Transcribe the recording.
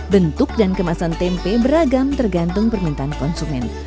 bentuk dan kemasan tempe beragam tergantung permintaan konsumen